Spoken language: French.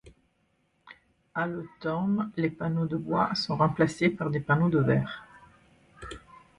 À l'automne, les panneaux de bois sont remplacés par des panneaux de verre.